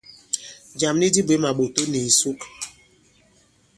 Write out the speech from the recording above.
Jàm nik dī bwě màɓòto nì ìsuk.